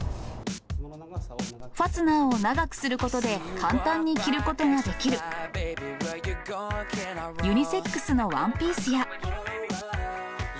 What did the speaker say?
ファスナーを長くすることで、簡単に着ることができる、ユニセックスのワンピースや。